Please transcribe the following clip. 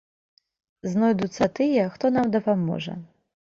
Знойдуцца тыя, хто нам дапаможа.